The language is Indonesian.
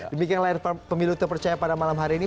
demikian layar pemilu terpercaya pada malam hari ini